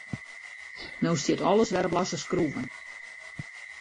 No stiet alles wer op losse skroeven.